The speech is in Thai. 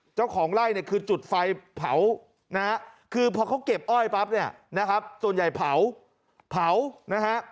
เจ้าของไล่เนี่ยคือจุดไฟเผานะฮะคือพอเขาเก็บอ้อยปั๊บเนี่ยนะครับส่วนใหญ่เผาเผานะฮะ